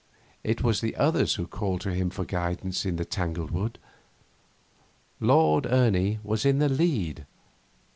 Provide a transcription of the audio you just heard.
It was the others who called to him for guidance in the tangled woods. Lord Ernie was in the lead.